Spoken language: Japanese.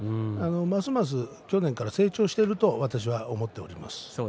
ますます去年から成長していると私は思っています。